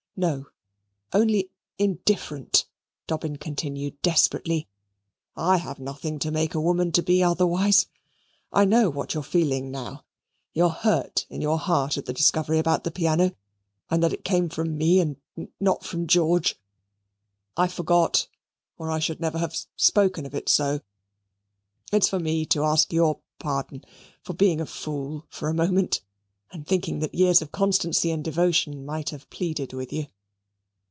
"No, only indifferent," Dobbin continued desperately. "I have nothing to make a woman to be otherwise. I know what you are feeling now. You are hurt in your heart at the discovery about the piano, and that it came from me and not from George. I forgot, or I should never have spoken of it so. It is for me to ask your pardon for being a fool for a moment, and thinking that years of constancy and devotion might have pleaded with you."